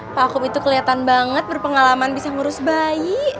pakum itu keliatan banget berpengalaman bisa ngurus bayi